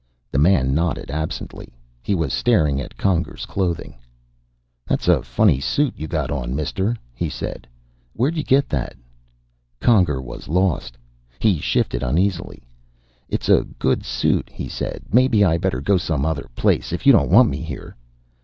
The man nodded absently. He was staring at Conger's clothing. "That's a funny suit you got on, mister," he said. "Where'd you get that?" Conger was lost. He shifted uneasily. "It's a good suit," he said. "Maybe I better go some other place, if you don't want me here."